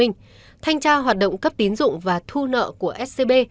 thanh tra hoạt động cấp tín dụng và thu nợ của scb